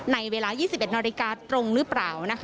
ในเวลา๒๑นาฬิกาตรงหรือเปล่า